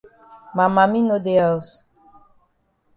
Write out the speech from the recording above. Ma mami no dey haus.